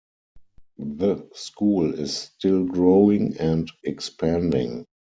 The school is still growing and expanding.